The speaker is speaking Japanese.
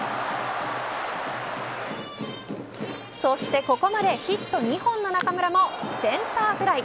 そしてここまでヒット２本の中村もセンターフライ。